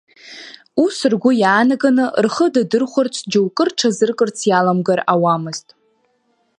Ус ргәы иаанаганы, рхы дадырхәарц џьоукы рҽазыркырц иаламгар ауамызт.